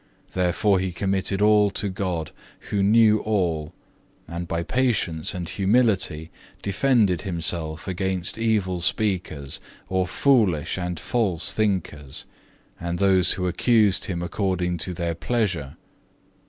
Therefore he committed all to God, who knew all, and by patience and humility defended himself against evil speakers, or foolish and false thinkers, and those who accused him according to their pleasure.